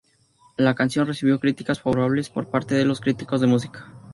La canción recibió críticas favorables por parte de los críticos de música.